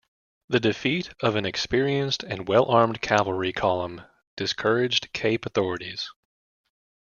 The defeat of an experienced and well-armed cavalry column discouraged Cape authorities.